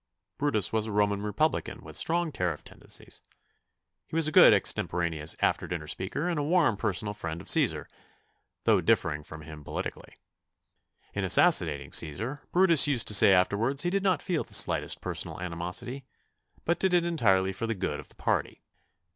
Brutus was a Roman republican with strong tariff tendencies. He was a good extemporaneous after dinner speaker and a warm personal friend of Cæsar, though differing from him politically. In assassinating Cæsar, Brutus used to say afterwards he did not feel the slightest personal animosity, but did it entirely for the good of the party.